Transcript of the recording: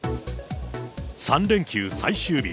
３連休最終日。